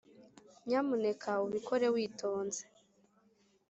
nyamuneka ubikore witonze.